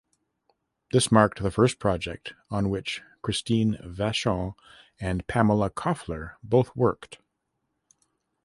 This marked the first project on which Christine Vachon and Pamela Koffler both worked.